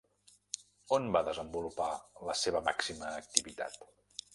On va desenvolupar la seva màxima activitat?